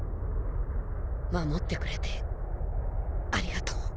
守ってくれてありがとう。